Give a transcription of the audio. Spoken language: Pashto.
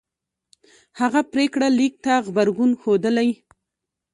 هغه پرېکړه لیک ته غبرګون ښودلی